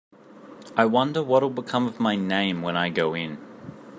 I wonder what’ll become of my name when I go in?